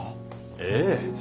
ええ。